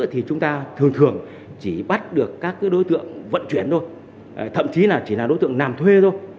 bắt giữ thì chúng ta thường thường chỉ bắt được các đối tượng vận chuyển thôi thậm chí là chỉ là đối tượng nàm thuê thôi